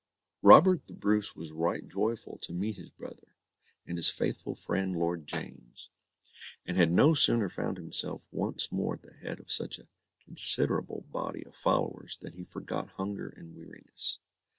Robert the Bruce was right joyful to meet his brother, and his faithful friend Lord James; and had no sooner found himself once more at the head of such a considerable body of followers, than he forgot hunger and weariness.